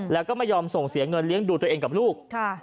แล้วก็ไม่ยอมส่งเสียเงินเลี้ยงดูตัวเองกับลูก